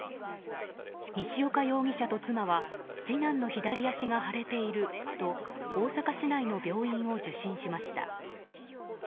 西岡容疑者と妻は次男の左足が腫れていると大阪市内の病院を受診しました。